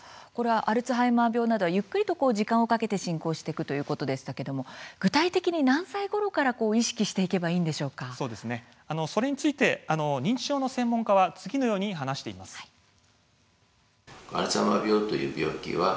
アルツハイマー病などはゆっくりと時間をかけて進行していくということですが具体的に何歳ごろからそれについて認知症の専門家は次のように話しています。